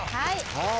はい。